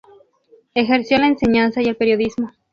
Ejerció la enseñanza y el periodismo.